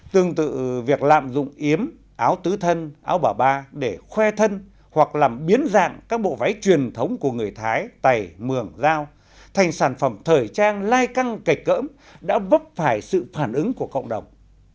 tương tự việc lạm dụng yếm áo tứ thân áo bà ba để khoe thân hoặc làm biến dạng các bộ váy truyền thống của người thái tày mường giao thành sản phẩm thời trang lai căng kịch cỡm đã vấp phải sự phản ứng của cộng đồng